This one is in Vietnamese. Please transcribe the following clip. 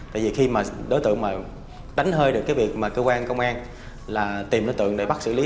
tại vì khi mà đối tượng mà đánh hơi được cái việc mà cơ quan công an là tìm đối tượng để bắt xử lý